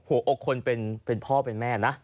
หัวอกคนเป็นพ่อเป็นแม่นะ